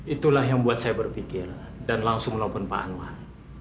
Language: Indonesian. itulah yang membuat saya berpikir dan langsung menelpon pak anwar